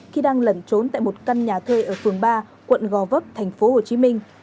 khi đang lẩn trốn tại một căn nhà thuê ở phường ba quận gò vấp thành phố hồ chí minh